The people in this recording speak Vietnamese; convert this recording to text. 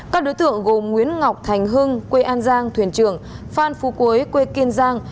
các đối tượng gồm nguyễn ngọc thành hưng quê an giang thuyền trưởng phan phú quế quê kiên giang